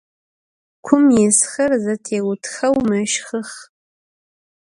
Kum yisxer zetêutxeu meşxıx.